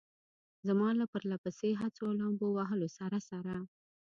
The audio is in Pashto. زما له پرله پسې هڅو او لامبو وهلو سره سره.